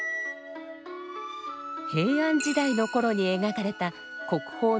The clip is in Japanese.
平安時代の頃に描かれた国宝の絵巻物